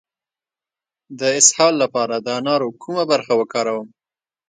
د اسهال لپاره د انارو کومه برخه وکاروم؟